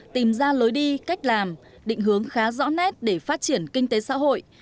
tìm ra lối đi cách làm định hướng khá rõ nét để phát triển kinh tế xã hội